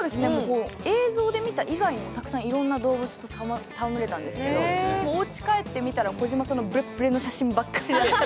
映像で見た以外にもたくさんいろんな動物と戯れたんですけど、おうち帰ってみたら、児嶋さんのブレッブレな写真ばっかりで。